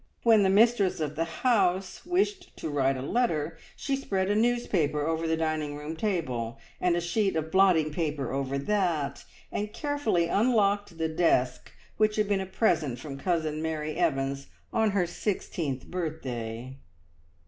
When the mistress of the house wished to write a letter, she spread a newspaper over the dining room table, and a sheet of blotting paper over that, and carefully unlocked the desk which had been a present from Cousin Mary Evans on her sixteenth birthday!